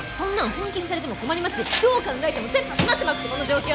本気にされても困りますしどう考えても切羽詰まってますってこの状況！